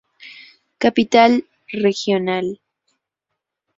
Capital regional.